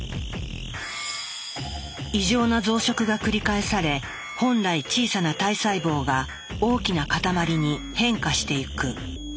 異常な増殖が繰り返され本来小さな体細胞が大きな塊に変化していく。